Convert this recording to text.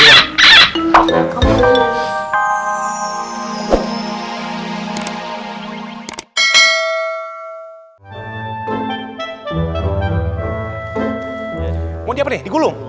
mau diapa nih digulung